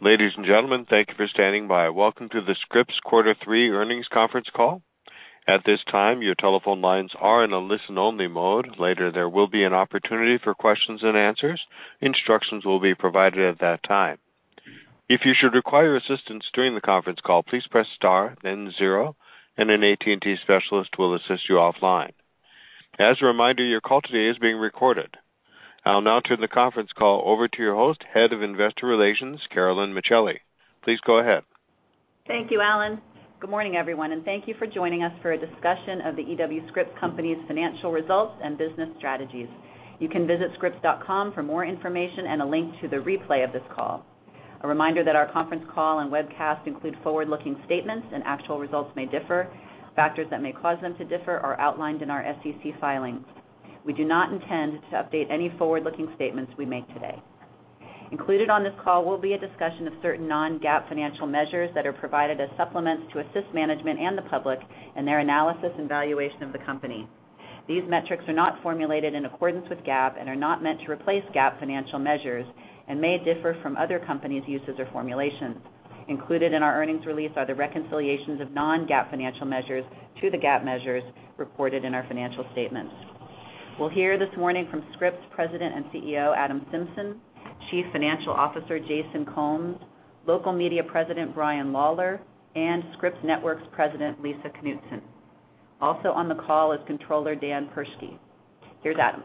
Ladies and gentlemen, thank you for standing by. Welcome to the Scripps Quarter Three Earnings Conference Call. At this time, your telephone lines are in a listen-only mode. Later, there will be an opportunity for questions and answers. Instructions will be provided at that time. If you should require assistance during the conference call, please press Star, then zero, and an AT&T specialist will assist you offline. As a reminder, your call today is being recorded. I'll now turn the conference call over to your host, Head of Investor Relations, Carolyn Micheli. Please go ahead. Thank you, Alan. Good morning, everyone, and thank you for joining us for a discussion of The E.W. Scripps Company's financial results and business strategies. You can visit scripps.com for more information and a link to the replay of this call. A reminder that our conference call and webcast include forward-looking statements and actual results may differ. Factors that may cause them to differ are outlined in our SEC filings. We do not intend to update any forward-looking statements we make today. Included on this call will be a discussion of certain non-GAAP financial measures that are provided as supplements to assist management and the public in their analysis and valuation of the company. These metrics are not formulated in accordance with GAAP and are not meant to replace GAAP financial measures and may differ from other companies' uses or formulations. Included in our earnings release are the reconciliations of non-GAAP financial measures to the GAAP measures reported in our financial statements. We'll hear this morning from Scripps President and CEO, Adam Symson, Chief Financial Officer, Jason Combs, Local Media President, Brian Lawlor, and Scripps Networks President, Lisa Knutson. Also on the call is Comptroller, Dan Perschke. Here's Adam.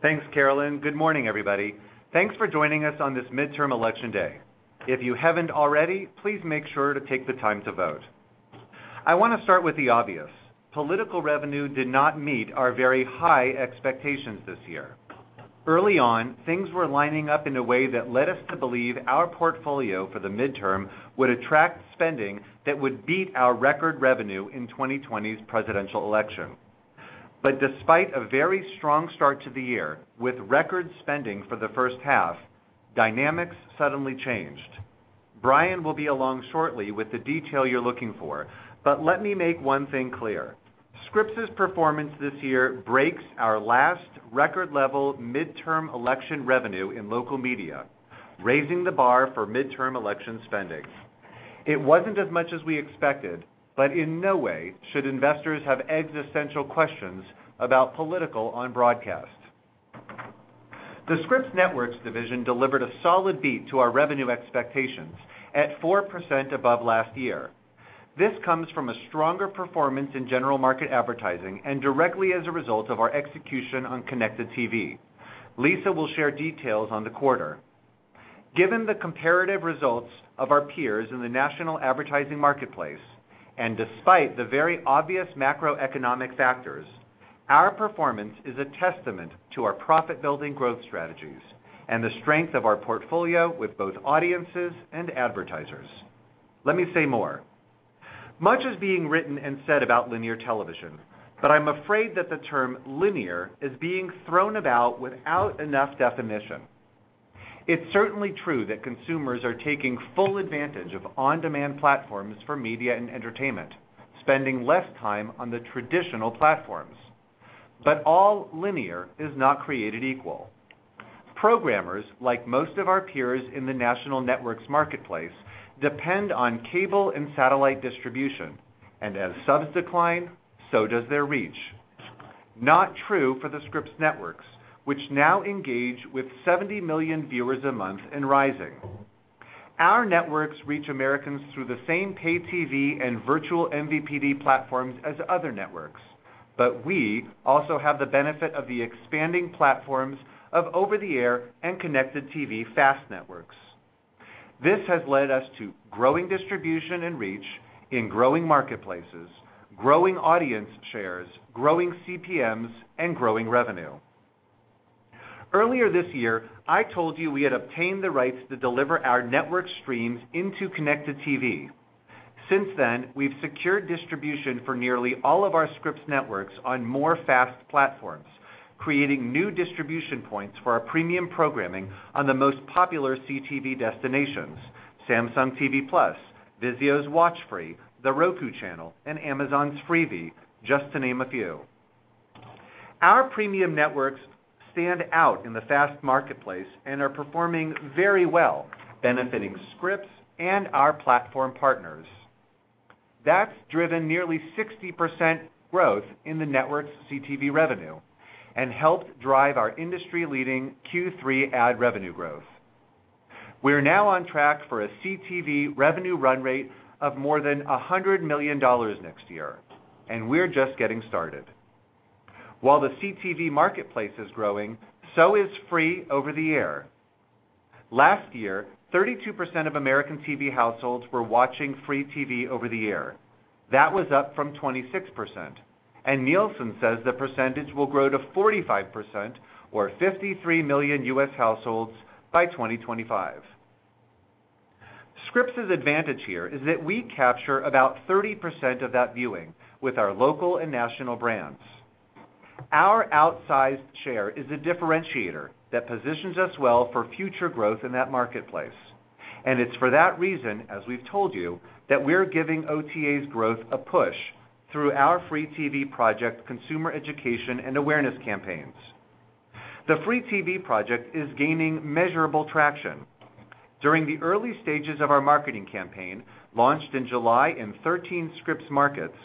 Thanks, Carolyn. Good morning, everybody. Thanks for joining us on this midterm election day. If you haven't already, please make sure to take the time to vote. I want to start with the obvious. Political revenue did not meet our very high expectations this year. Early on, things were lining up in a way that led us to believe our portfolio for the midterm would attract spending that would beat our record revenue in 2020's presidential election. Despite a very strong start to the year, with record spending for the first half, dynamics suddenly changed. Brian will be along shortly with the detail you're looking for, but let me make one thing clear. Scripps's performance this year breaks our last record-level midterm election revenue in local media, raising the bar for midterm election spending. It wasn't as much as we expected, but in no way should investors have existential questions about politics on broadcast. The Scripps Networks division delivered a solid beat to our revenue expectations at 4% above last year. This comes from a stronger performance in general market advertising and directly as a result of our execution on connected TV. Lisa will share details on the quarter. Given the comparative results of our peers in the national advertising marketplace, and despite the very obvious macroeconomic factors, our performance is a testament to our profit-building growth strategies and the strength of our portfolio with both audiences and advertisers. Let me say more. Much is being written and said about linear television, but I'm afraid that the term linear is being thrown about without enough definition. It's certainly true that consumers are taking full advantage of on-demand platforms for media and entertainment, spending less time on the traditional platforms. All linear is not created equal. Programmers, like most of our peers in the national networks marketplace, depend on cable and satellite distribution, and as subs decline, so does their reach. Not true for the Scripps Networks, which now engage with 70 million viewers a month and rising. Our networks reach Americans through the same paid TV and virtual MVPD platforms as other networks, but we also have the benefit of the expanding platforms of over-the-air and connected TV fast networks. This has led us to growing distribution and reach in growing marketplaces, growing audience shares, growing CPMs, and growing revenue. Earlier this year, I told you we had obtained the rights to deliver our network streams into connected TV. Since then, we've secured distribution for nearly all of our Scripps Networks on more FAST platforms, creating new distribution points for our premium programming on the most popular CTV destinations, Samsung TV Plus, VIZIO's WatchFree+, The Roku Channel, and Amazon's Freevee, just to name a few. Our premium networks stand out in the FAST marketplace and are performing very well, benefiting Scripps and our platform partners. That's driven nearly 60% growth in the network's CTV revenue and helped drive our industry-leading Q3 ad revenue growth. We're now on track for a CTV revenue run rate of more than $100 million next year, and we're just getting started. While the CTV marketplace is growing, so is free over-the-air. Last year, 32% of American TV households were watching free TV over the air. That was up from 26%, and Nielsen says the percentage will grow to 45% or 53 million U.S. households by 2025. Scripps's advantage here is that we capture about 30% of that viewing with our local and national brands. Our outsized share is a differentiator that positions us well for future growth in that marketplace, and it's for that reason, as we've told you, that we're giving OTA's growth a push through our Free TV Project consumer education and awareness campaigns. The Free TV Project is gaining measurable traction. During the early stages of our marketing campaign, launched in July in 13th Scripps markets,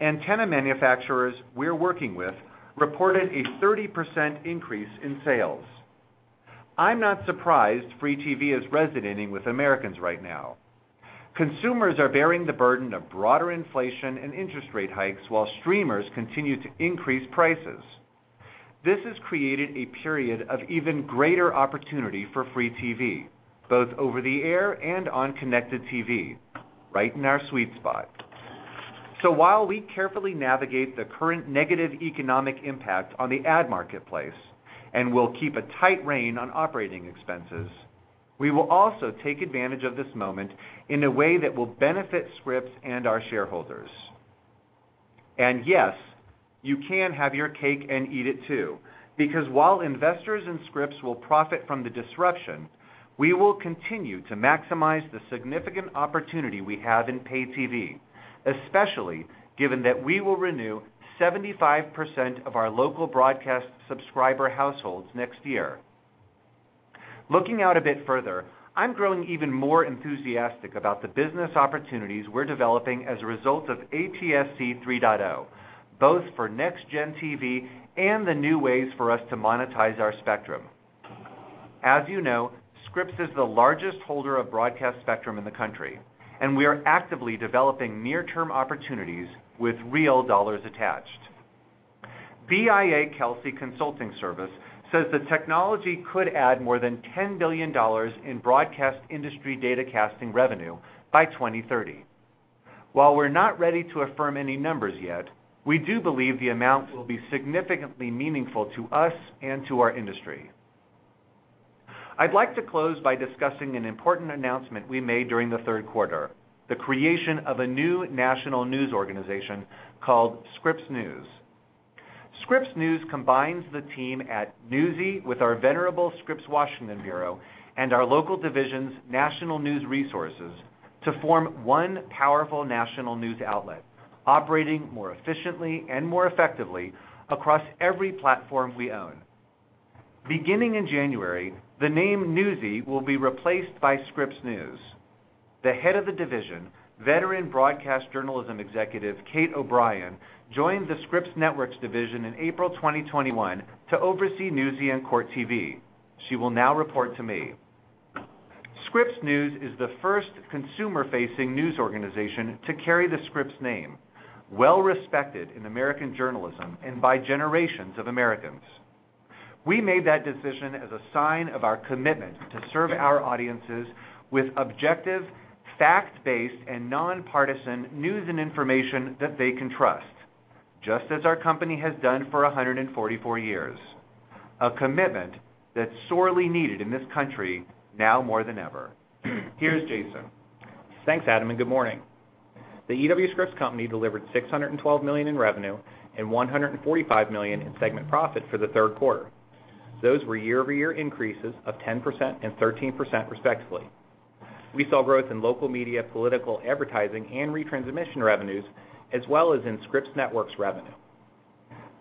antenna manufacturers we're working with reported a 30% increase in sales. I'm not surprised free TV is resonating with Americans right now. Consumers are bearing the burden of broader inflation and interest rate hikes while streamers continue to increase prices. This has created a period of even greater opportunity for free TV, both over the air and on connected TV, right in our sweet spot. While we carefully navigate the current negative economic impact on the ad marketplace, and we'll keep a tight rein on operating expenses, we will also take advantage of this moment in a way that will benefit Scripps and our shareholders. Yes, you can have your cake and eat it too, because while investors and Scripps will profit from the disruption, we will continue to maximize the significant opportunity we have in paid TV, especially given that we will renew 75% of our local broadcast subscriber households next year. Looking out a bit further, I'm growing even more enthusiastic about the business opportunities we're developing as a result of ATSC 3.0, both for NextGen TV and the new ways for us to monetize our spectrum. As you know, Scripps is the largest holder of broadcast spectrum in the country, and we are actively developing near-term opportunities with real dollars attached. BIA/Kelsey Consulting service says the technology could add more than $10 billion in broadcast industry datacasting revenue by 2030. While we're not ready to affirm any numbers yet, we do believe the amount will be significantly meaningful to us and to our industry. I'd like to close by discussing an important announcement we made during the third quarter, the creation of a new national news organization called Scripps News. Scripps News combines the team at Newsy with our venerable Scripps Washington Bureau and our local divisions' national news resources to form one powerful national news outlet operating more efficiently and more effectively across every platform we own. Beginning in January, the name Newsy will be replaced by Scripps News. The head of the division, veteran broadcast journalism executive Kate O'Brian, joined the Scripps Networks division in April 2021 to oversee Newsy and Court TV. She will now report to me. Scripps News is the first consumer-facing news organization to carry the Scripps name, well-respected in American journalism and by generations of Americans. We made that decision as a sign of our commitment to serve our audiences with objective, fact-based and non-partisan news and information that they can trust, just as our company has done for 144 years, a commitment that's sorely needed in this country now more than ever. Here's Jason. Thanks, Adam, and good morning. The E.W. Scripps Company delivered $612 million in revenue and $145 million in segment profit for the third quarter. Those were year-over-year increases of 10% and 13%, respectively. We saw growth in local media, political advertising and retransmission revenues, as well as in Scripps Networks revenue.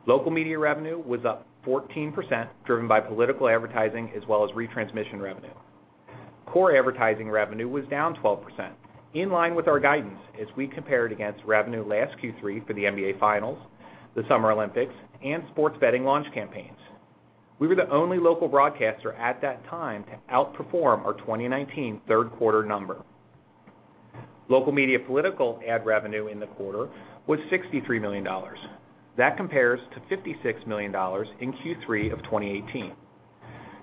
Local media revenue was up 14%, driven by political advertising as well as retransmission revenue. Core advertising revenue was down 12%, in line with our guidance as we compared against revenue last Q3 for the NBA finals, the Summer Olympics, and sports betting launch campaigns. We were the only local broadcaster at that time to outperform our 2019 third quarter number. Local media political ad revenue in the quarter was $63 million. That compares to $56 million in Q3 of 2018.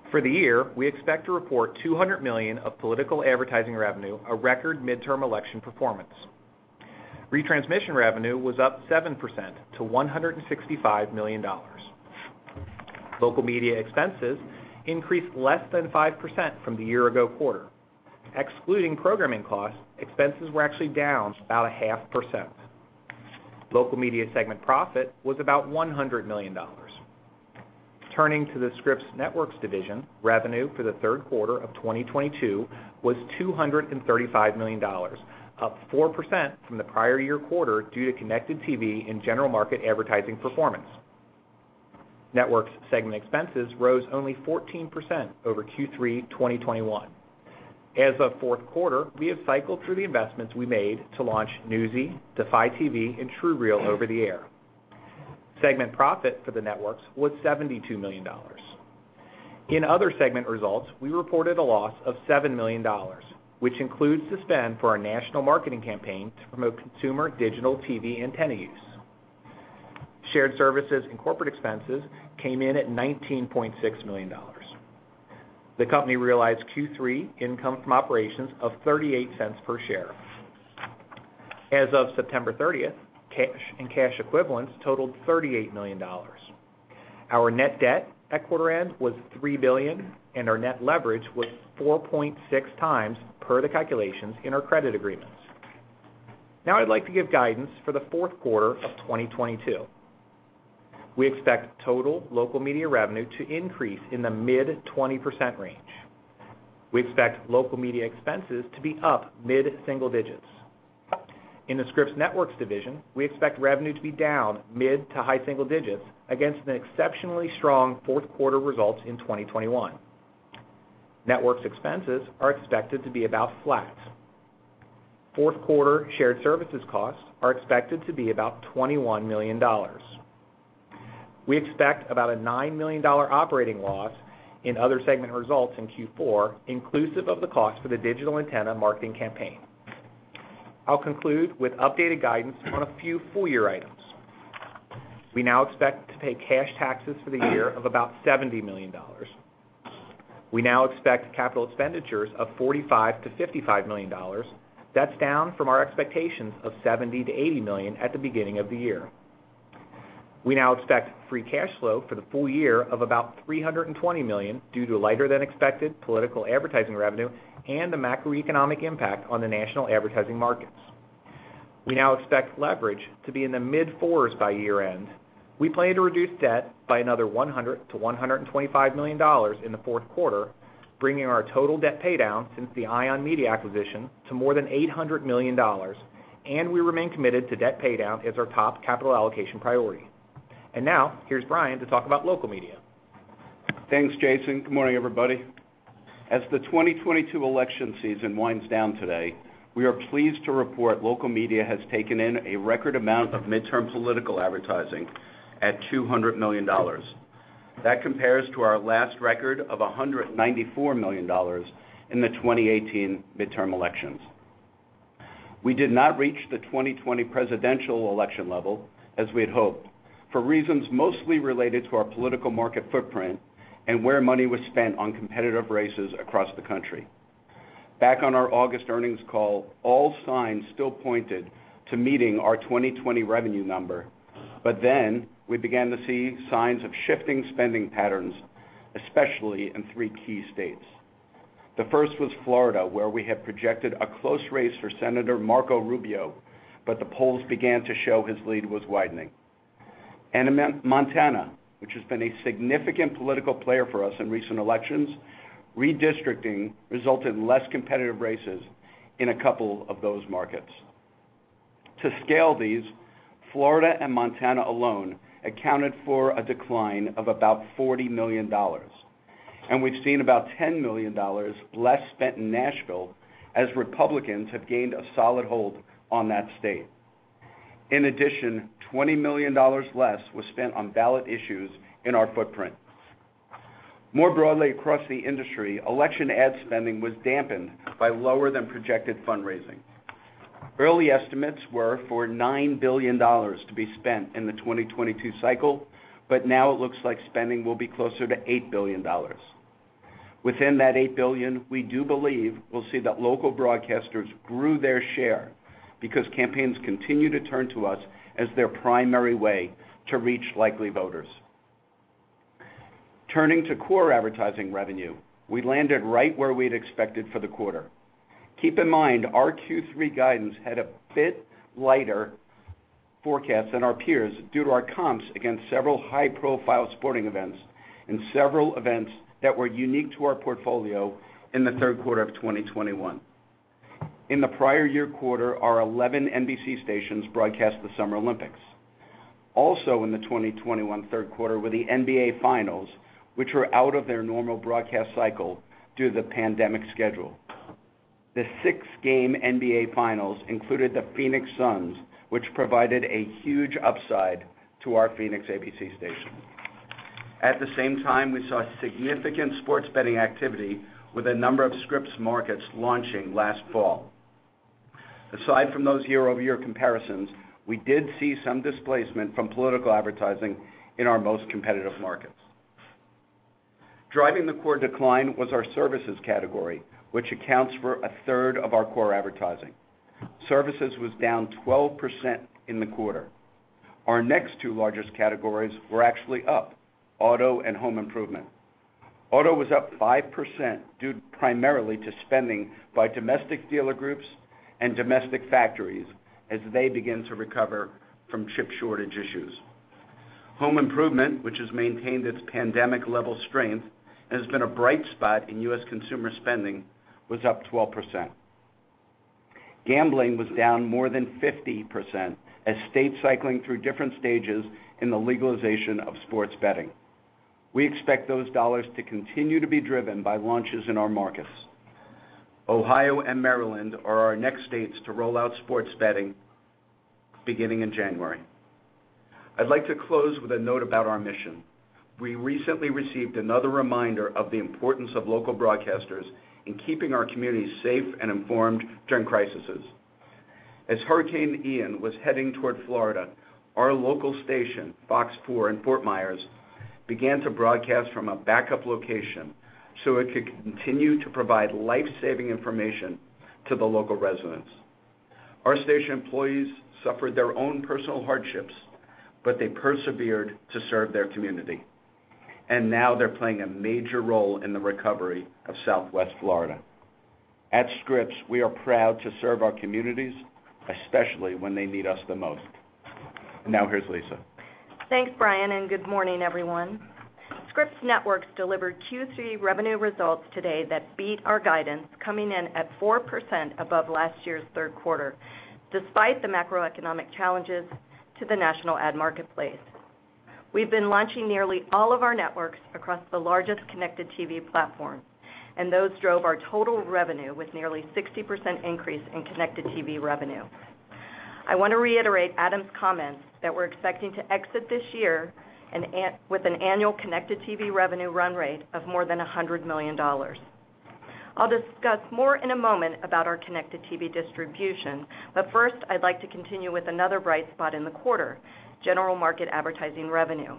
For the year, we expect to report $200 million of political advertising revenue, a record midterm election performance. Retransmission revenue was up 7% to $165 million. Local media expenses increased less than 5% from the year-ago quarter. Excluding programming costs, expenses were actually down about 0.5%. Local media segment profit was about $100 million. Turning to the Scripps Networks division, revenue for the third quarter of 2022 was $235 million, up 4% from the prior-year quarter due to connected TV and general market advertising performance. Networks segment expenses rose only 14% over Q3 2021. As of fourth quarter, we have cycled through the investments we made to launch Newsy, Defy TV, and TrueReal over the air. Segment profit for the networks was $72 million. In other segment results, we reported a loss of $7 million, which includes the spend for our national marketing campaign to promote consumer digital TV antenna use. Shared services and corporate expenses came in at $19.6 million. The company realized Q3 income from operations of $0.38 per share. As of September 30th, cash and cash equivalents totaled $38 million. Our net debt at quarter end was $3 billion, and our net leverage was 4.6x per the calculations in our credit agreements. Now I'd like to give guidance for the fourth quarter of 2022. We expect total local media revenue to increase in the mid-20% range. We expect local media expenses to be up mid-single digits%. In the Scripps Networks Division, we expect revenue to be down mid- to high-single digits% against an exceptionally strong fourth quarter results in 2021. Networks expenses are expected to be about flat. Fourth quarter shared services costs are expected to be about $21 million. We expect about a $9 million operating loss in other segment results in Q4, inclusive of the cost for the digital antenna marketing campaign. I'll conclude with updated guidance on a few full year items. We now expect to pay cash taxes for the year of about $70 million. We now expect capital expenditures of $45 million-$55 million. That's down from our expectations of $70 million-$80 million at the beginning of the year. We now expect free cash flow for the full year of about $320 million due to lighter than expected political advertising revenue and the macroeconomic impact on the national advertising markets. We now expect leverage to be in the mid fours by year-end. We plan to reduce debt by another $100 million-$125 million in the fourth quarter, bringing our total debt pay down since the ION Media acquisition to more than $800 million, and we remain committed to debt pay down as our top capital allocation priority. Now here's Brian to talk about Local Media. Thanks, Jason. Good morning, everybody. As the 2022 election season winds down today, we are pleased to report Local Media has taken in a record amount of midterm political advertising at $200 million. That compares to our last record of $194 million in the 2018 midterm elections. We did not reach the 2020 presidential election level as we had hoped for reasons mostly related to our political market footprint and where money was spent on competitive races across the country. Back on our August earnings call, all signs still pointed to meeting our 2020 revenue number. We began to see signs of shifting spending patterns, especially in three key states. The first was Florida, where we had projected a close race for Senator Marco Rubio, but the polls began to show his lead was widening. In Montana, which has been a significant political player for us in recent elections, redistricting resulted in less competitive races in a couple of those markets. To scale these, Florida and Montana alone accounted for a decline of about $40 million, and we've seen about $10 million less spent in Nashville as Republicans have gained a solid hold on that state. In addition, $20 million less was spent on ballot issues in our footprint. More broadly across the industry, election ad spending was dampened by lower than projected fundraising. Early estimates were for $9 billion to be spent in the 2022 cycle, but now it looks like spending will be closer to $8 billion. Within that $8 billion, we do believe we'll see that local broadcasters grew their share because campaigns continue to turn to us as their primary way to reach likely voters. Turning to core advertising revenue, we landed right where we'd expected for the quarter. Keep in mind, our Q3 guidance had a bit lighter forecast than our peers due to our comps against several high-profile sporting events and several events that were unique to our portfolio in the third quarter of 2021. In the prior year quarter, our 11 NBC stations broadcast the Summer Olympics. Also in the 2021 third quarter were the NBA Finals, which were out of their normal broadcast cycle due to the pandemic schedule. The 6-game NBA Finals included the Phoenix Suns, which provided a huge upside to our Phoenix ABC station. At the same time, we saw significant sports betting activity with a number of Scripps markets launching last fall. Aside from those year-over-year comparisons, we did see some displacement from political advertising in our most competitive markets. Driving the core decline was our services category, which accounts for a third of our core advertising. Services was down 12% in the quarter. Our next two largest categories were actually up, auto and home improvement. Auto was up 5% due primarily to spending by domestic dealer groups and domestic factories as they begin to recover from chip shortage issues. Home improvement, which has maintained its pandemic level strength and has been a bright spot in U.S. consumer spending, was up 12%. Gambling was down more than 50% as states cycling through different stages in the legalization of sports betting. We expect those dollars to continue to be driven by launches in our markets. Ohio and Maryland are our next states to roll out sports betting beginning in January. I'd like to close with a note about our mission. We recently received another reminder of the importance of local broadcasters in keeping our communities safe and informed during crises. As Hurricane Ian was heading toward Florida, our local station, Fox 4 in Fort Myers, began to broadcast from a backup location so it could continue to provide life-saving information to the local residents. Our station employees suffered their own personal hardships, but they persevered to serve their community, and now they're playing a major role in the recovery of Southwest Florida. At Scripps, we are proud to serve our communities, especially when they need us the most. Now here's Lisa. Thanks, Brian, and good morning, everyone. Scripps Networks delivered Q3 revenue results today that beat our guidance, coming in at 4% above last year's third quarter, despite the macroeconomic challenges to the national ad marketplace. We've been launching nearly all of our networks across the largest connected TV platform, and those drove our total revenue with nearly 60% increase in connected TV revenue. I wanna reiterate Adam's comments that we're expecting to exit this year with an annual connected TV revenue run rate of more than $100 million. I'll discuss more in a moment about our connected TV distribution, but first, I'd like to continue with another bright spot in the quarter, general market advertising revenue.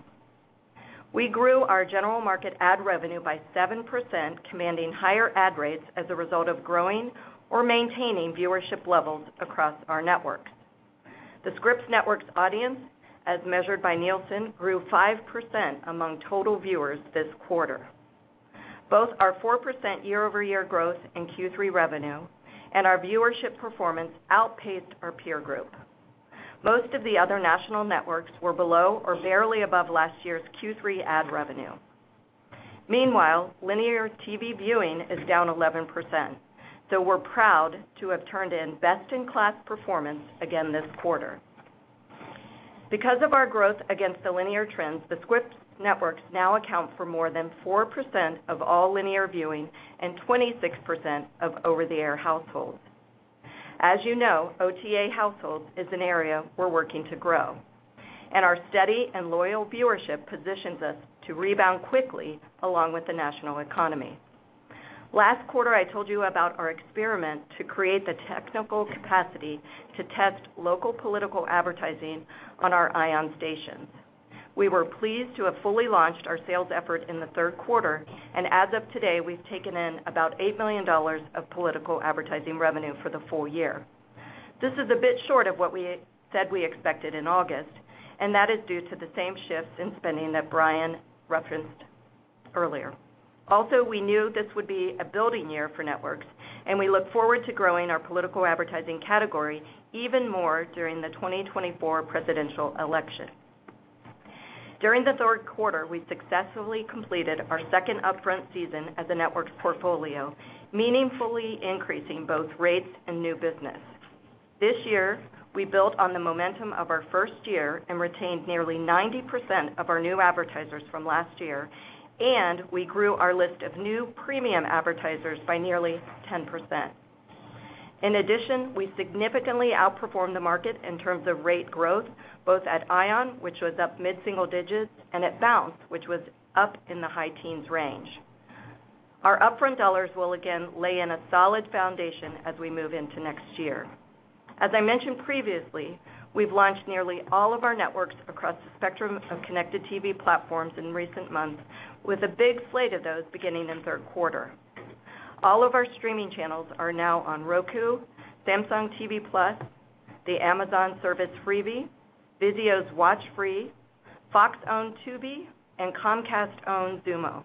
We grew our general market ad revenue by 7%, commanding higher ad rates as a result of growing or maintaining viewership levels across our networks. The Scripps Networks audience, as measured by Nielsen, grew 5% among total viewers this quarter. Both our 4% year-over-year growth in Q3 revenue and our viewership performance outpaced our peer group. Most of the other national networks were below or barely above last year's Q3 ad revenue. Meanwhile, linear TV viewing is down 11%, so we're proud to have turned in best-in-class performance again this quarter. Because of our growth against the linear trends, the Scripps Networks now account for more than 4% of all linear viewing and 26% of over-the-air households. As you know, OTA households is an area we're working to grow, and our steady and loyal viewership positions us to rebound quickly along with the national economy. Last quarter, I told you about our experiment to create the technical capacity to test local political advertising on our ION stations. We were pleased to have fully launched our sales effort in the third quarter, and as of today, we've taken in about $8 million of political advertising revenue for the full year. This is a bit short of what we said we expected in August, and that is due to the same shifts in spending that Brian referenced earlier. Also, we knew this would be a building year for networks, and we look forward to growing our political advertising category even more during the 2024 presidential election. During the third quarter, we successfully completed our second upfront season as a networks portfolio, meaningfully increasing both rates and new business. This year, we built on the momentum of our first year and retained nearly 90% of our new advertisers from last year, and we grew our list of new premium advertisers by nearly 10%. In addition, we significantly outperformed the market in terms of rate growth, both at ION, which was up mid-single digits, and at Bounce, which was up in the high teens range. Our upfront dollars will again lay in a solid foundation as we move into next year. As I mentioned previously, we've launched nearly all of our networks across the spectrum of connected TV platforms in recent months with a big slate of those beginning in third quarter. All of our streaming channels are now on Roku, Samsung TV Plus, the Amazon service, Freevee, VIZIO's WatchFree+, Fox-owned Tubi, and Comcast-owned Xumo.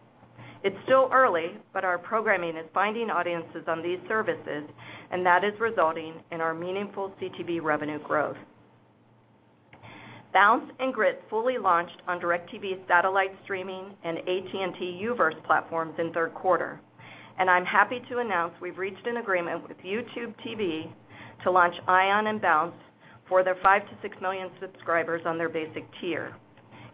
It's still early, but our programming is finding audiences on these services, and that is resulting in our meaningful CTV revenue growth. Bounce and Grit fully launched on DIRECTV's satellite streaming and AT&T U-verse platforms in third quarter, and I'm happy to announce we've reached an agreement with YouTube TV to launch ION and Bounce for their 5 million-6 million subscribers on their basic tier.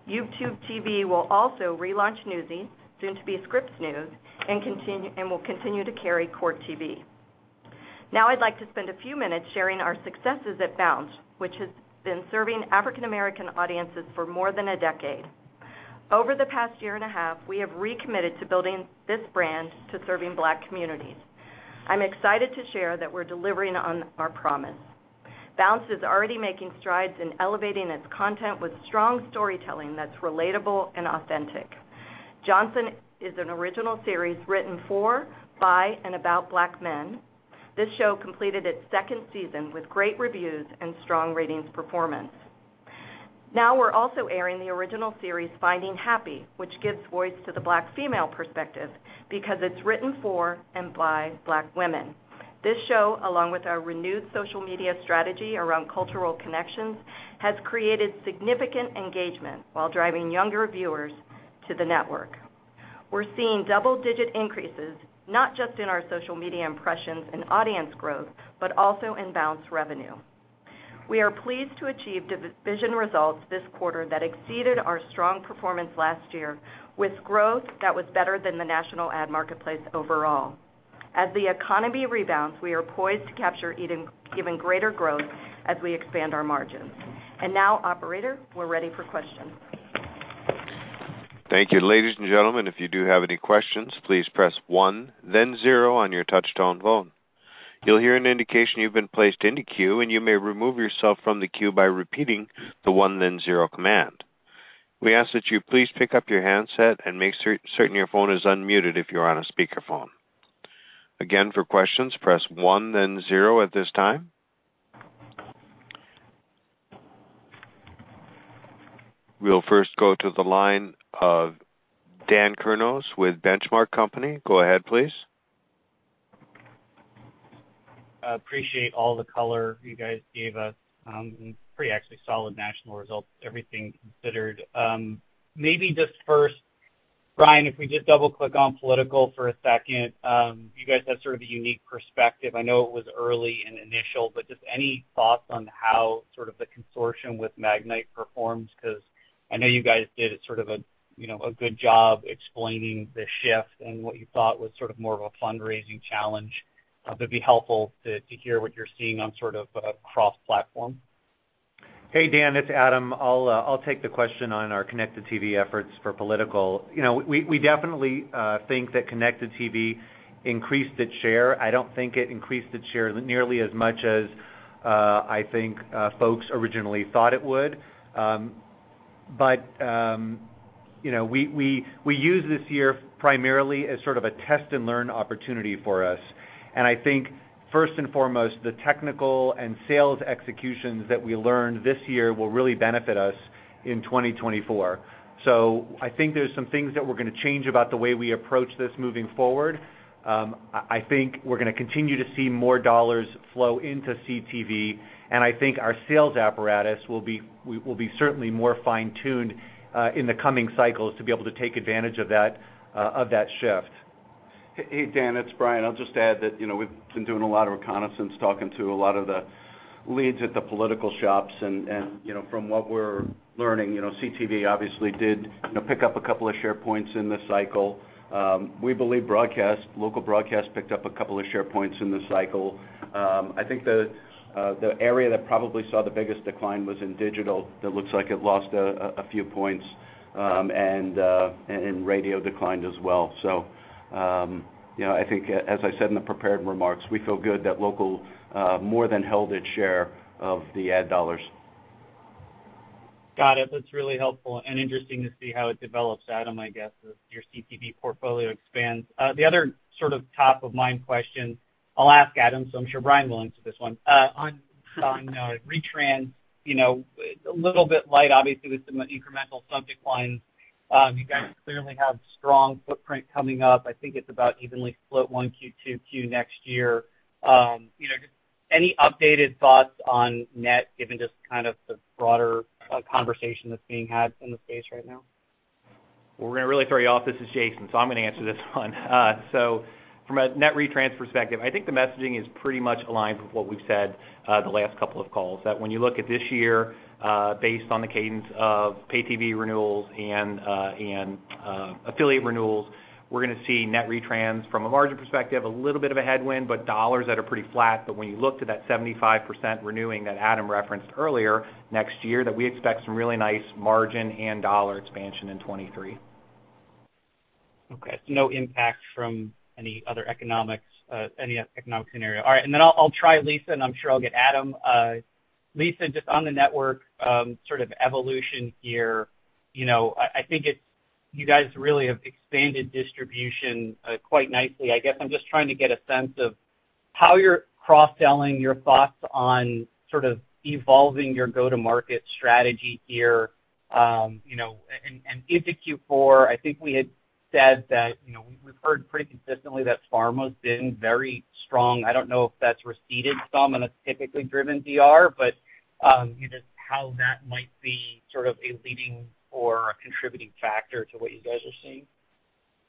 YouTube TV will also relaunch Newsy, soon to be Scripps News, and will continue to carry Court TV. Now I'd like to spend a few minutes sharing our successes at Bounce, which has been serving African American audiences for more than a decade. Over the past year and a half, we have recommitted to building this brand to serving Black communities. I'm excited to share that we're delivering on our promise. Bounce is already making strides in elevating its content with strong storytelling that's relatable and authentic. Johnson is an original series written for, by, and about Black men. This show completed its second season with great reviews and strong ratings performance. Now we're also airing the original series, Finding Happy, which gives voice to the Black female perspective because it's written for and by Black women. This show, along with our renewed social media strategy around cultural connections, has created significant engagement while driving younger viewers to the network. We're seeing double-digit increases, not just in our social media impressions and audience growth, but also in Bounce revenue. We are pleased to achieve division results this quarter that exceeded our strong performance last year with growth that was better than the national ad marketplace overall. As the economy rebounds, we are poised to capture even greater growth as we expand our margins. Now, operator, we're ready for questions. Thank you. Ladies and gentlemen, if you do have any questions, please press one then zero on your touch-tone phone. You'll hear an indication you've been placed into queue, and you may remove yourself from the queue by repeating the one then zero command. We ask that you please pick up your handset and make certain your phone is unmuted if you are on a speakerphone. Again, for questions, press one then zero at this time. We'll first go to the line of Dan Kurnos with The Benchmark Company. Go ahead, please. Appreciate all the color you guys gave us, and pretty actually solid national results, everything considered. Maybe just first, Brian, if we just double-click on political for a second, you guys had sort of a unique perspective. I know it was early and initial, but just any thoughts on how sort of the consortium with Magnite performs 'cause I know you guys did a sort of a, you know, a good job explaining the shift and what you thought was sort of more of a fundraising challenge. That'd be helpful to hear what you're seeing on sort of a cross-platform. Hey, Dan, it's Adam. I'll take the question on our connected TV efforts for political. You know, we definitely think that connected TV increased its share. I don't think it increased its share nearly as much as I think folks originally thought it would. You know, we used this year primarily as sort of a test and learn opportunity for us. I think first and foremost, the technical and sales executions that we learned this year will really benefit us in 2024. I think there's some things that we're gonna change about the way we approach this moving forward. I think we're gonna continue to see more dollars flow into CTV, and I think our sales apparatus will be, we'll be certainly more fine-tuned in the coming cycles to be able to take advantage of that, of that shift. Hey, Dan, it's Brian. I'll just add that, you know, we've been doing a lot of reconnaissance, talking to a lot of the leads at the political shops and, you know, from what we're learning, you know, CTV obviously did, you know, pick up a couple of share points in this cycle. We believe broadcast, local broadcast picked up a couple of share points in this cycle. I think the area that probably saw the biggest decline was in digital. That looks like it lost a few points, and radio declined as well. You know, I think as I said in the prepared remarks, we feel good that local more than held its share of the ad dollars. Got it. That's really helpful and interesting to see how it develops, Adam, I guess, as your CTV portfolio expands. The other sort of top-of-mind question, I'll ask Adam, so I'm sure Brian will answer this one. On retrans, you know, a little bit light, obviously, with some incremental sunsets. You guys clearly have strong footprint coming up. I think it's about evenly split 1Q 2Q next year. You know, just any updated thoughts on that, given just kind of the broader conversation that's being had in the space right now? We're gonna really throw you off. This is Jason, so I'm gonna answer this one. From a net retrans perspective, I think the messaging is pretty much aligned with what we've said, the last couple of calls. That when you look at this year, based on the cadence of pay TV renewals and affiliate renewals, we're gonna see net retrans from a margin perspective, a little bit of a headwind, but dollars that are pretty flat. When you look to that 75% renewing that Adam referenced earlier, next year, that we expect some really nice margin and dollar expansion in 2023. Okay. So no impact from any other economics, any economic scenario. All right, then I'll try Lisa, and I'm sure I'll get Adam. Lisa, just on the network, sort of evolution here, you know, I think you guys really have expanded distribution, quite nicely. I guess I'm just trying to get a sense of how you're cross-selling your thoughts on sort of evolving your go-to-market strategy here. You know, and into Q4, I think we had said that, you know, we've heard pretty consistently that pharma's been very strong. I don't know if that's receded some and it's typically driven DR, you know, just how that might be sort of a leading or a contributing factor to what you guys are seeing.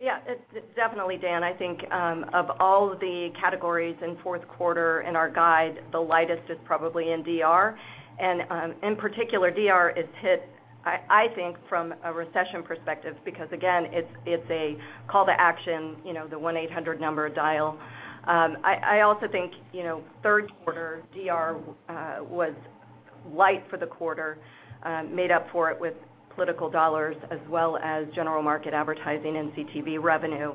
Yeah. It's definitely, Dan, I think, of all the categories in fourth quarter in our guide, the lightest is probably in DR. In particular, DR is hit, I think from a recession perspective because again, it's a call to action, you know, the 1-800 number dial. I also think, you know, third quarter, DR was light for the quarter, made up for it with political dollars as well as general market advertising and CTV revenue.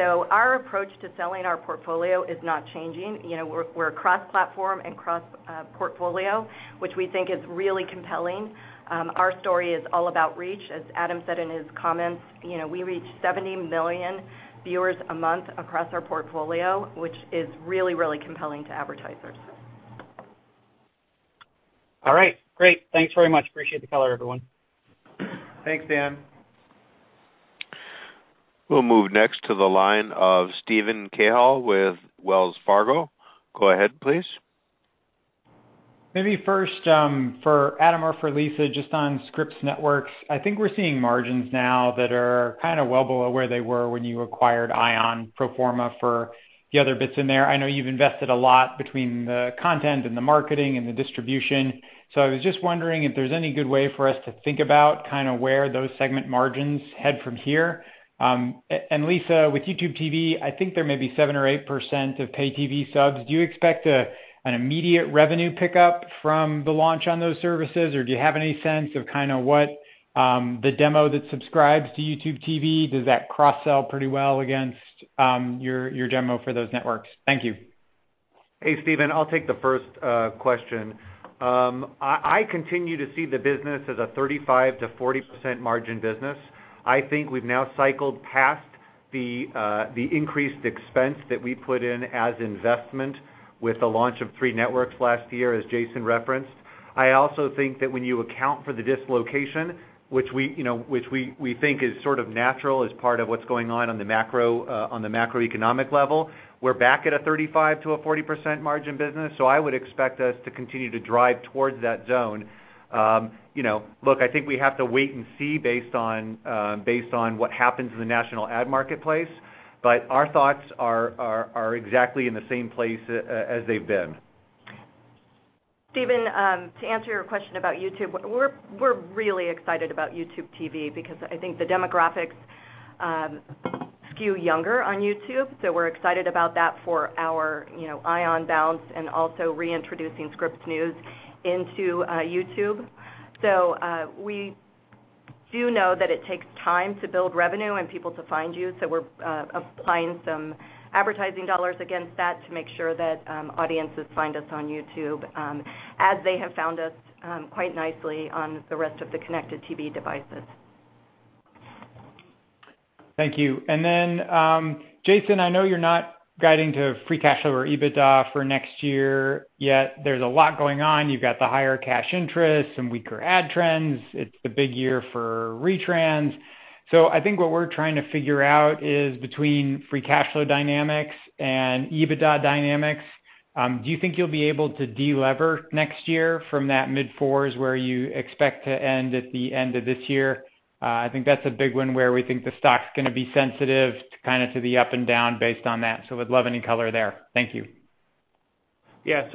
Our approach to selling our portfolio is not changing. You know, we're cross-platform and cross portfolio, which we think is really compelling. Our story is all about reach. As Adam said in his comments, you know, we reach 70 million viewers a month across our portfolio, which is really, really compelling to advertisers. All right. Great. Thanks very much. Appreciate the color, everyone. Thanks, Dan. We'll move next to the line of Steven Cahall with Wells Fargo. Go ahead, please. Maybe first, for Adam or for Lisa, just on Scripps Networks, I think we're seeing margins now that are kinda well below where they were when you acquired ION pro forma for the other bits in there. I know you've invested a lot between the content and the marketing and the distribution. I was just wondering if there's any good way for us to think about kinda where those segment margins head from here. Lisa, with YouTube TV, I think there may be 7 or 8% of pay TV subs. Do you expect an immediate revenue pickup from the launch on those services, or do you have any sense of kinda what the demo that subscribes to YouTube TV? Does that cross-sell pretty well against your demo for those networks? Thank you. Hey, Steven, I'll take the first question. I continue to see the business as a 35%-40% margin business. I think we've now cycled past the increased expense that we put in as investment with the launch of 3 networks last year, as Jason referenced. I also think that when you account for the dislocation, which we think is sort of natural as part of what's going on the macroeconomic level, we're back at a 35%-40% margin business. I would expect us to continue to drive towards that zone. You know, look, I think we have to wait and see based on what happens in the national ad marketplace. Our thoughts are exactly in the same place as they've been. Steven, to answer your question about YouTube, we're really excited about YouTube TV because I think the demographics skew younger on YouTube. We're excited about that for our, you know, ION, Bounce and also reintroducing Scripps News into YouTube. We do know that it takes time to build revenue and people to find you. We're applying some advertising dollars against that to make sure that audiences find us on YouTube, as they have found us quite nicely on the rest of the connected TV devices. Thank you. Jason, I know you're not guiding to free cash or EBITDA for next year yet. There's a lot going on. You've got the higher cash interest, some weaker ad trends. It's the big year for retrans. I think what we're trying to figure out is between free cash flow dynamics and EBITDA dynamics, do you think you'll be able to delever next year from that mid-fours where you expect to end at the end of this year? I think that's a big one where we think the stock's gonna be sensitive to kind of to the up and down based on that. We'd love any color there. Thank you. Yeah.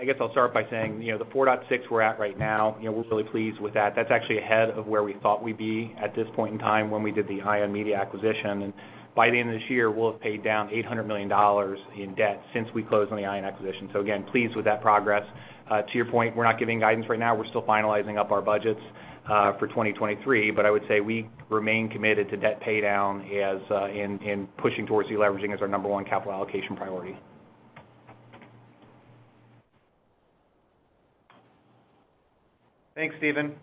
I guess I'll start by saying, you know, the 4.6 we're at right now, you know, we're really pleased with that. That's actually ahead of where we thought we'd be at this point in time when we did the ION Media acquisition. By the end of this year, we'll have paid down $800 million in debt since we closed on the ION acquisition. Again, pleased with that progress. To your point, we're not giving guidance right now. We're still finalizing up our budgets for 2023. I would say we remain committed to debt paydown in pushing towards deleveraging as our number one capital allocation priority. Thanks, Steven.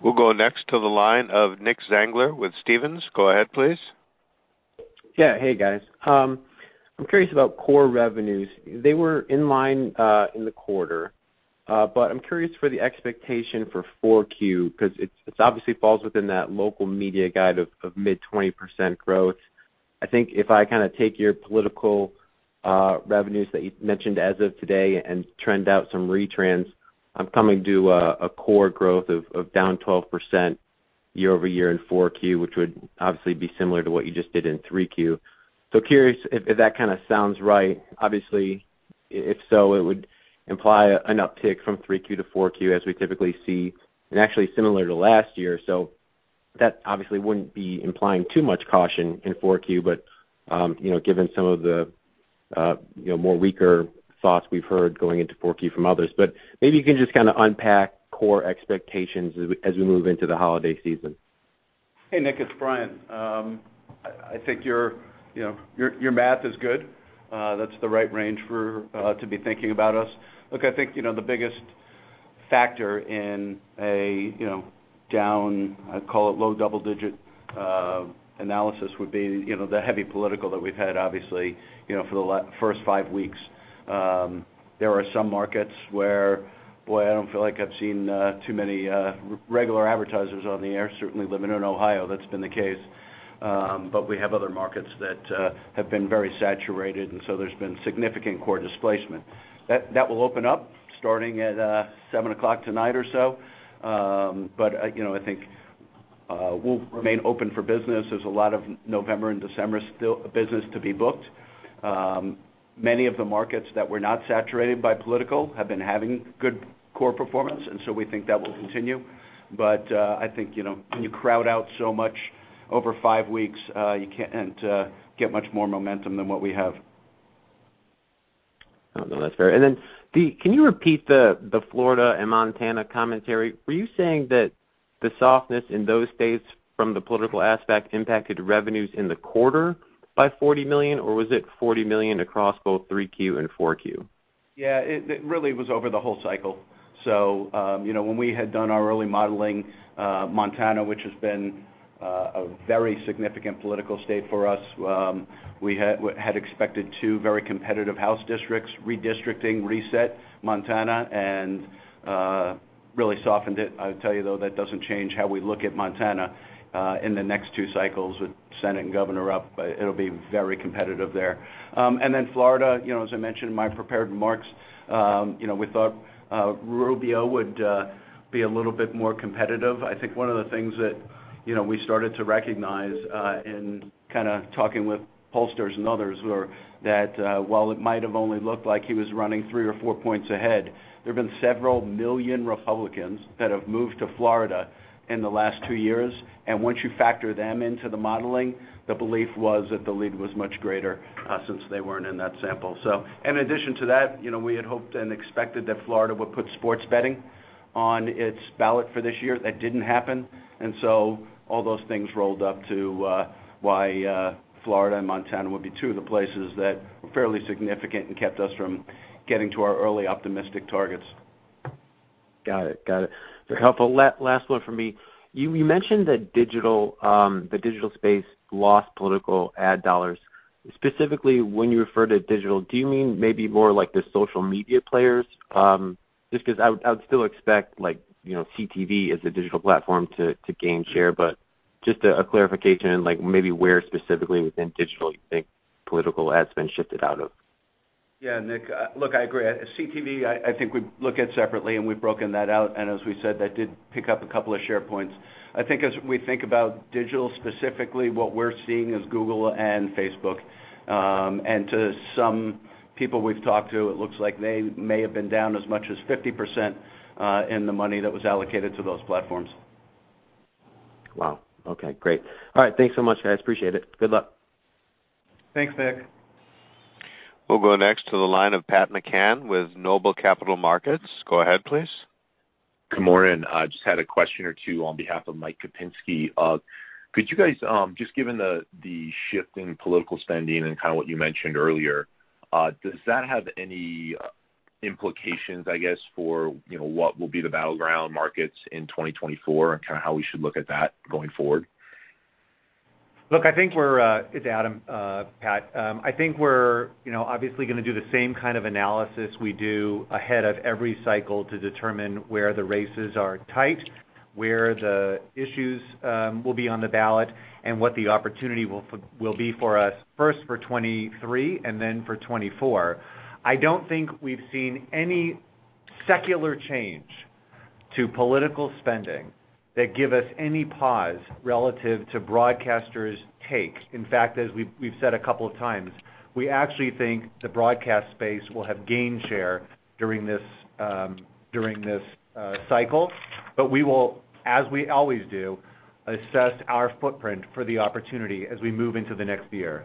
We'll go next to the line of Nicholas Zangler with Stephens. Go ahead, please. Yeah. Hey, guys. I'm curious about core revenues. They were in line in the quarter. But I'm curious for the expectation for 4Q because it obviously falls within that local media guide of mid-20% growth. I think if I kinda take your political revenues that you mentioned as of today and trend out some retrans, I'm coming to a core growth of down 12% year over year in 4Q, which would obviously be similar to what you just did in 3Q. Curious if that kinda sounds right. Obviously, if so, it would imply an uptick from 3Q to 4Q, as we typically see, and actually similar to last year. That obviously wouldn't be implying too much caution in 4Q. You know, given some of the, you know, more weaker thoughts we've heard going into 4Q from others. Maybe you can just kinda unpack core expectations as we move into the holiday season. Hey, Nick, it's Brian. I think, you know, your math is good. That's the right range for to be thinking about us. Look, I think, you know, the biggest factor in a, you know, down, I'd call it low double-digit analysis would be, you know, the heavy political that we've had, obviously, you know, for the first five weeks. There are some markets where, boy, I don't feel like I've seen too many regular advertisers on the air. Certainly, living in Ohio, that's been the case. We have other markets that have been very saturated, and so there's been significant core displacement. That will open up starting at 7:00 P.M. tonight or so. You know, I think we'll remain open for business. There's a lot of November and December still business to be booked. Many of the markets that were not saturated by political have been having good core performance, and so we think that will continue. I think, you know, when you crowd out so much over five weeks, you can't get much more momentum than what we have. No, that's fair. Then can you repeat the Florida and Montana commentary? Were you saying that the softness in those states from the political aspect impacted revenues in the quarter by $40 million, or was it $40 million across both 3Q and 4Q? Yeah, it really was over the whole cycle. You know, when we had done our early modeling, Montana, which has been a very significant political state for us, we had expected two very competitive House districts. Redistricting reset Montana and really softened it. I'll tell you, though, that doesn't change how we look at Montana in the next two cycles with Senate and governor up. It'll be very competitive there. Florida, you know, as I mentioned in my prepared remarks, you know, we thought Rubio would be a little bit more competitive. I think one of the things that, you know, we started to recognize, in kinda talking with pollsters and others were that, while it might have only looked like he was running three or four points ahead, there have been several million Republicans that have moved to Florida in the last two years. Once you factor them into the modeling, the belief was that the lead was much greater, since they weren't in that sample. In addition to that, you know, we had hoped and expected that Florida would put sports betting on its ballot for this year. That didn't happen. All those things rolled up to why Florida and Montana would be two of the places that were fairly significant and kept us from getting to our early optimistic targets. Got it. Very helpful. Last one for me. You mentioned that digital, the digital space lost political ad dollars. Specifically, when you refer to digital, do you mean maybe more like the social media players? Just 'cause I would still expect like, you know, CTV as a digital platform to gain share, but just a clarification, like maybe where specifically within digital you think political ads been shifted out of? Yeah, Nick, look, I agree. CTV, I think we look at separately, and we've broken that out, and as we said, that did pick up a couple of share points. I think as we think about digital, specifically, what we're seeing is Google and Facebook. To some people we've talked to, it looks like they may have been down as much as 50% in the money that was allocated to those platforms. Wow. Okay, great. All right. Thanks so much, guys. Appreciate it. Good luck. Thanks, Nick. We'll go next to the line of Pat McCann with Noble Capital Markets. Go ahead, please. Good morning. I just had a question or two on behalf of Mike Kupinski. Could you guys just given the shift in political spending and kind of what you mentioned earlier, does that have any implications, I guess, for, you know, what will be the battleground markets in 2024 and kind of how we should look at that going forward? Look, I think we're. It's Adam, Pat. I think we're, you know, obviously gonna do the same kind of analysis we do ahead of every cycle to determine where the races are tight, where the issues will be on the ballot, and what the opportunity will be for us, first for 2023 and then for 2024. I don't think we've seen any secular change to political spending that give us any pause relative to broadcasters take. In fact, as we've said a couple of times, we actually think the broadcast space will have gained share during this cycle. We will, as we always do, assess our footprint for the opportunity as we move into the next year.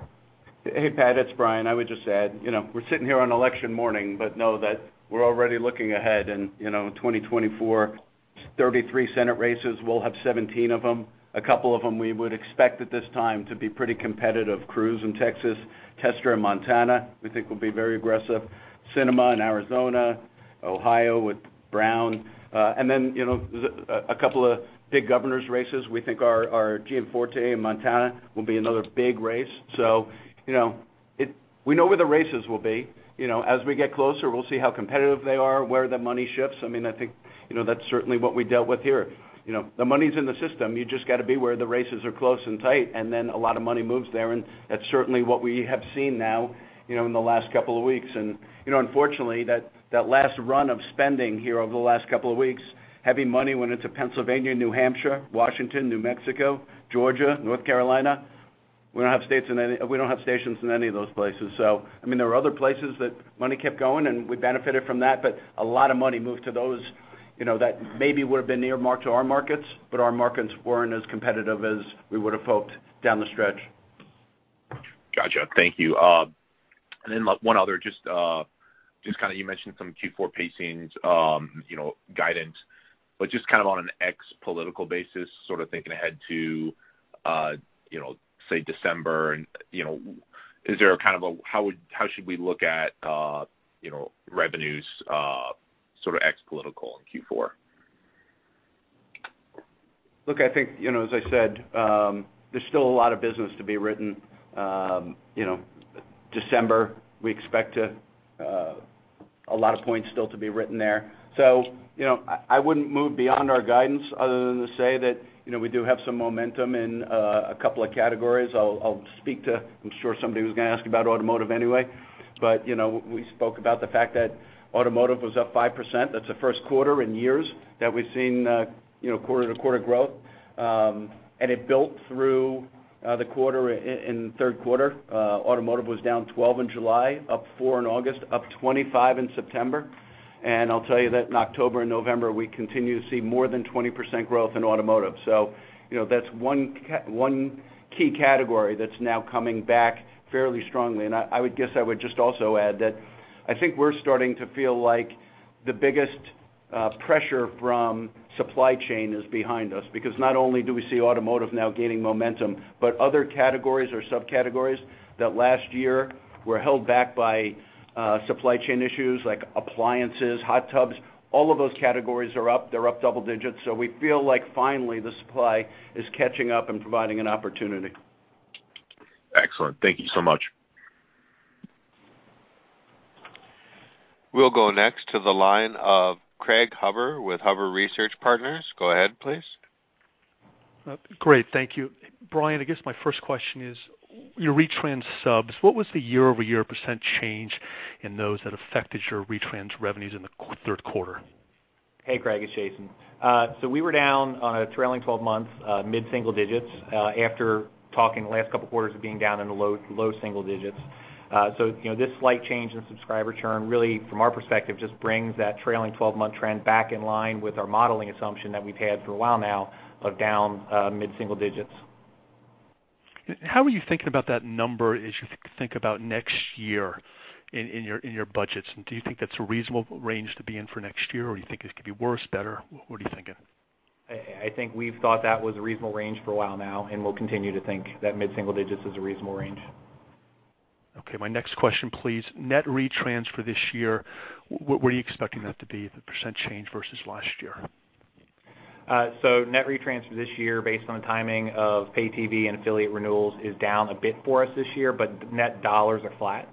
Hey, Pat, it's Brian. I would just add, you know, we're sitting here on election morning, but know that we're already looking ahead and, you know, 2024, 33 Senate races, we'll have 17 of them. A couple of them we would expect at this time to be pretty competitive. Cruz in Texas, Tester in Montana, we think will be very aggressive. Sinema in Arizona, Ohio with Brown. Then, you know, a couple of big governors races, we think are Gianforte in Montana will be another big race. You know, we know where the races will be. You know, as we get closer, we'll see how competitive they are, where the money shifts. I mean, I think, you know, that's certainly what we dealt with here. You know, the money's in the system. You just gotta be where the races are close and tight, and then a lot of money moves there, and that's certainly what we have seen now, you know, in the last couple of weeks. You know, unfortunately, that last run of spending here over the last couple of weeks, heavy money went into Pennsylvania, New Hampshire, Washington, New Mexico, Georgia, North Carolina. We don't have stations in any of those places. So, I mean, there are other places that money kept going, and we benefited from that, but a lot of money moved to those, you know, that maybe would have been a target for our markets, but our markets weren't as competitive as we would have hoped down the stretch. Gotcha. Thank you. One other just kinda you mentioned some Q4 pacings, you know, guidance, but just kind of on an ex-political basis, sort of thinking ahead to, you know, say December and, you know, is there a kind of a, how should we look at, you know, revenues, sort of ex-political in Q4? Look, I think, you know, as I said, there's still a lot of business to be written. You know, December, we expect to a lot of points still to be written there. I wouldn't move beyond our guidance other than to say that, you know, we do have some momentum in a couple of categories. I'll speak to, I'm sure somebody was gonna ask about automotive anyway. You know, we spoke about the fact that automotive was up 5%. That's the first quarter in years that we've seen quarter-over-quarter growth. It built through the quarter in the third quarter. Automotive was down 12 in July, up 4 in August, up 25 in September. I'll tell you that in October and November, we continue to see more than 20% growth in automotive. You know, that's one key category that's now coming back fairly strongly. I would guess I would just also add that I think we're starting to feel like the biggest pressure from supply chain is behind us because not only do we see automotive now gaining momentum, but other categories or subcategories that last year were held back by supply chain issues like appliances, hot tubs, all of those categories are up. They're up double digits. We feel like finally the supply is catching up and providing an opportunity. Excellent. Thank you so much. We'll go next to the line of Craig Huber with Huber Research Partners. Go ahead, please. Great. Thank you. Brian, I guess my first question is your retrans subs, what was the year-over-year % change in those that affected your retrans revenues in the third quarter? Hey, Craig. It's Jason. We were down on a trailing 12-month, mid-single digits, after talking the last couple of quarters of being down in the low, low single digits. You know, this slight change in subscriber churn really, from our perspective, just brings that trailing 12-month trend back in line with our modeling assumption that we've had for a while now of down, mid-single digits. How are you thinking about that number as you think about next year in your budgets? Do you think that's a reasonable range to be in for next year, or you think it could be worse, better? What are you thinking? I think we've thought that was a reasonable range for a while now, and we'll continue to think that mid-single digits is a reasonable range. Okay, my next question please. Net retrans for this year, what are you expecting that to be, the percent change versus last year? Net retrans this year based on timing of pay TV and affiliate renewals is down a bit for us this year, but net dollars are flat.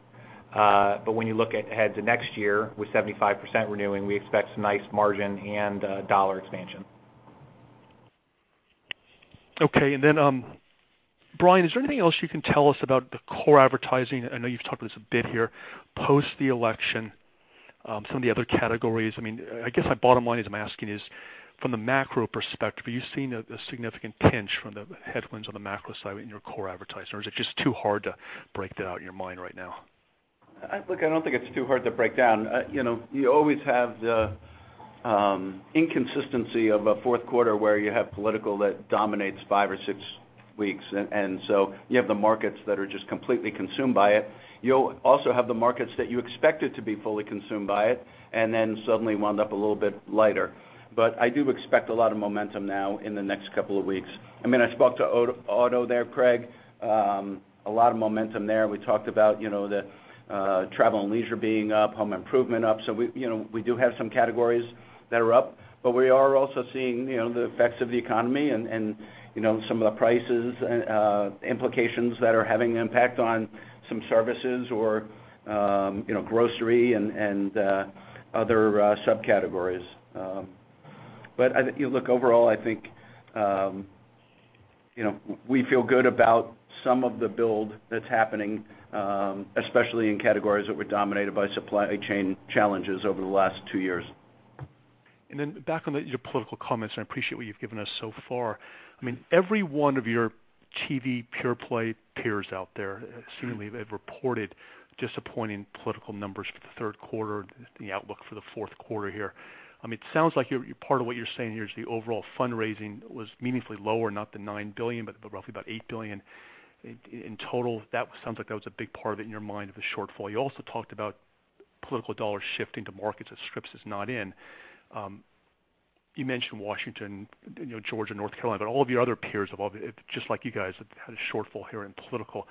When you look ahead to next year with 75% renewing, we expect some nice margin and dollar expansion. Okay. Brian, is there anything else you can tell us about the core advertising? I know you've talked about this a bit here. Post the election, some of the other categories, I mean, I guess my bottom line is I'm asking from the macro perspective, are you seeing a significant pinch from the headwinds on the macro side in your core advertisers? Or is it just too hard to break that out in your mind right now? Look, I don't think it's too hard to break down. You know, you always have the inconsistency of a fourth quarter where you have political that dominates five or six weeks and so you have the markets that are just completely consumed by it. You'll also have the markets that you expected to be fully consumed by it and then suddenly wound up a little bit lighter. I do expect a lot of momentum now in the next couple of weeks. I mean, I spoke to auto there, Craig, a lot of momentum there. We talked about, you know, the travel and leisure being up, home improvement up. We, you know, we do have some categories that are up, but we are also seeing, you know, the effects of the economy and, you know, some of the prices and implications that are having impact on some services or, you know, grocery and other subcategories. I think, look, overall, I think, you know, we feel good about some of the build that's happening, especially in categories that were dominated by supply chain challenges over the last two years. Back on your political comments, I appreciate what you've given us so far. I mean, every one of your TV pure play peers out there seemingly have reported disappointing political numbers for the third quarter, the outlook for the fourth quarter here. I mean, it sounds like part of what you're saying here is the overall fundraising was meaningfully lower, not the $9 billion, but roughly about $8 billion in total. That sounds like that was a big part of it in your mind of the shortfall. You also talked about political dollars shifting to markets that Scripps is not in. You mentioned Washington, you know, Georgia, North Carolina, but all of your other peers have all, just like you guys, had a shortfall here in political.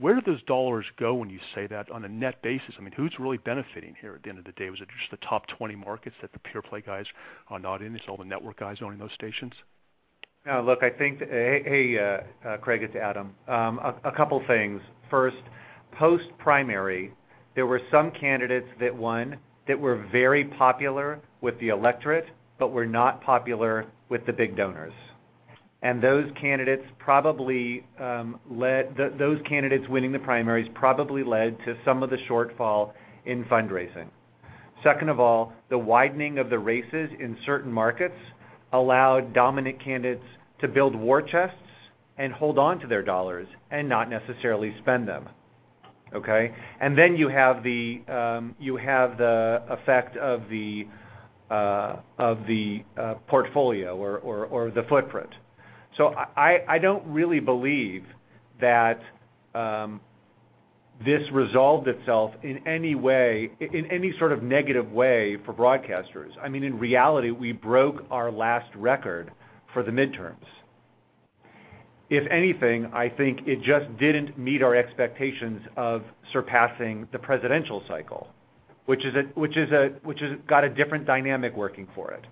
Where do those dollars go when you say that on a net basis? I mean, who's really benefiting here at the end of the day? Was it just the top 20 markets that the pure play guys are not in? It's all the network guys owning those stations? No. Look, I think, Craig, it's Adam. A couple things. First, post-primary, there were some candidates that won that were very popular with the electorate but were not popular with the big donors. Those candidates winning the primaries probably led to some of the shortfall in fundraising. Second of all, the widening of the races in certain markets allowed dominant candidates to build war chests and hold on to their dollars and not necessarily spend them. Okay? You have the effect of the portfolio or the footprint. I don't really believe that this resolved itself in any way, in any sort of negative way for broadcasters. I mean, in reality, we broke our last record for the midterms. If anything, I think it just didn't meet our expectations of surpassing the presidential cycle, which has got a different dynamic working for it.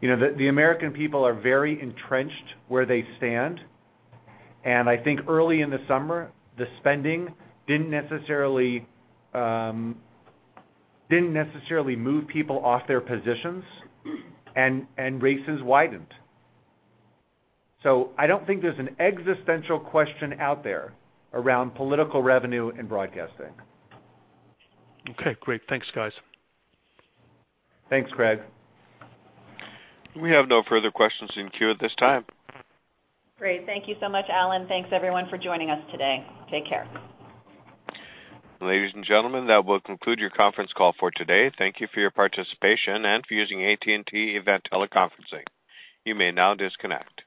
You know, the American people are very entrenched where they stand, and I think early in the summer, the spending didn't necessarily move people off their positions and races widened. I don't think there's an existential question out there around political revenue in broadcasting. Okay, great. Thanks, guys. Thanks, Craig. We have no further questions in queue at this time. Great. Thank you so much, Alan. Thanks everyone for joining us today. Take care. Ladies and gentlemen, that will conclude your conference call for today. Thank you for your participation and for using AT&T Event Teleconferencing. You may now disconnect.